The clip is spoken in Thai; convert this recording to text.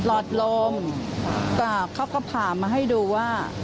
หลอดลมเขาก็ผ่ามาให้ดูว่า